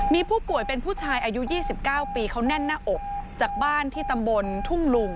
มีผู้ป่วยเป็นผู้ชายอายุ๒๙ปีเขาแน่นหน้าอกจากบ้านที่ตำบลทุ่งลุง